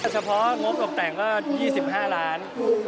เฉพาะงบตกแต่งก็๒๕ล้าน